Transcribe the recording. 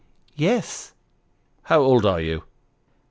" Yes." " How old are you